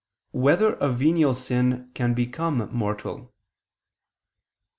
4] Whether a Venial Sin Can Become Mortal?